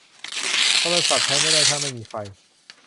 โทรศัพท์ใช้ไม่ได้ถ้าไม่มีไฟ